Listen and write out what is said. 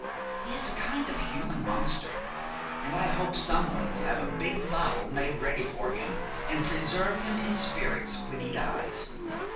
He is a kind of human monster, and I hope some one will have a big bottle made ready for him and preserve him in spirits when he dies.'